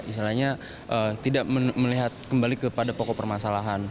istilahnya tidak melihat kembali kepada pokok permasalahan